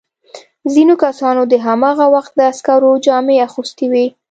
ځینو کسانو د هماغه وخت د عسکرو جامې اغوستي وې.